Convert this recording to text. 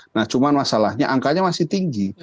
nah cuma masalahnya angkanya masih tinggi